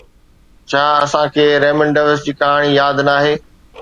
ڇا اسان کي ريمنڊ ڊيوس جي ڪهاڻي ياد ناهي؟